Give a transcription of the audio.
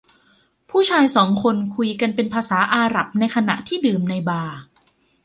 ผู้ชายสองคนคุยกันเป็นภาษาอาหรับในขณะที่ดื่มในบาร์